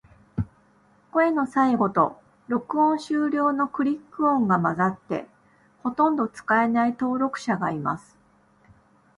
声の最後と、録音終了のクリック音が混ざって、ほとんど使えない登録者がいます。